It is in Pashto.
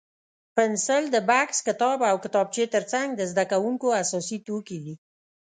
پنسل د بکس، کتاب او کتابچې تر څنګ د زده کوونکو اساسي توکي دي.